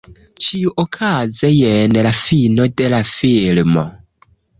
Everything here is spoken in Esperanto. Ĉiuokaze jen la fino de la filmo.